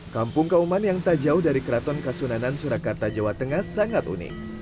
kampung kauman yang tak jauh dari keraton kasunanan surakarta jawa tengah sangat unik